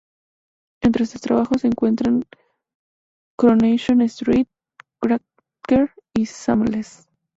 Entre sus trabajos se encuentran: Coronation Street, Cracker y Shameless.